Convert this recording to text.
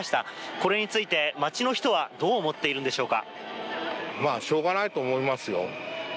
これについて、街の人はどう思っているのでしょうか。